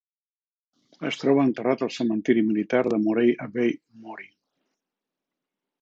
Es troba enterrat al cementiri militar de Morey Abbey, Mory.